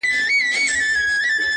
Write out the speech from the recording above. له مستیه مي غزل څومره سرشار دی,